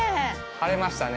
晴れましたね。